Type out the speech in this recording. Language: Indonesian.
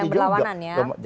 dapil dapil yang berlawanan ya